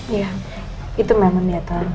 iya itu memang niatan